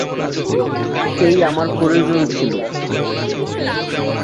এই আমার প্রয়োজন ছিল।